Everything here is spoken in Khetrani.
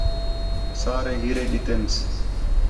سارے ہیرے ݙِتے سن